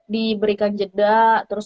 diberikan jeda terus